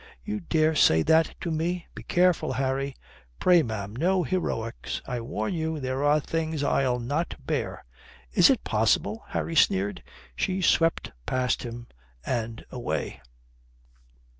"You dare say that to me! Be careful, Harry." "Pray, ma'am, no heroics." "I warn you, there are things I'll not bear." "Is it possible?" Harry sneered. She swept past him and away.